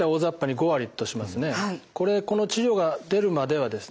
これこの治療が出るまではですね